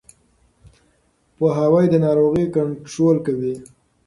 پوهاوی د ناروغۍ کنټرول کوي.